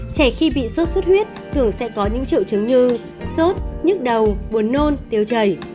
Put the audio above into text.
trẻ khi bị sốt xuất huyết thường sẽ có những triệu chứng như sốt nhức đầu buồn nôn tiêu chảy